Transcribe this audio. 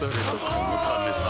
このためさ